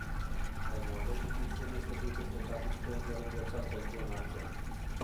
Baina aurretik hil zenez ez dute zenbakizko ondorengotzan kontuan hartzen.